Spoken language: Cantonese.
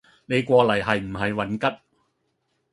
你过嚟系唔系混吉